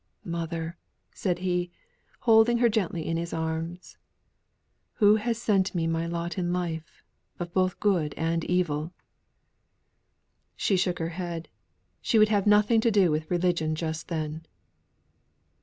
"Mother!" said he, holding her gently in his arms, "who has sent me my lot in life, both of good and evil?" She shook her head. She would have nothing to do with religion just then.